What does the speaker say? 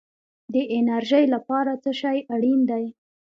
د انرژۍ لپاره څه شی اړین دی؟